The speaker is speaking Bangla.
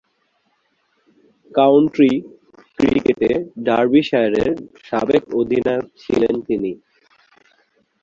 কাউন্টি ক্রিকেটে ডার্বিশায়ারের সাবেক অধিনায়ক ছিলেন তিনি।